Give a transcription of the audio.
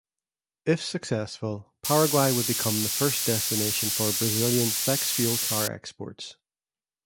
If successful, Paraguay would become the first destination for Brazilian flex-fuel car exports.